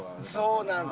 そうなんだ。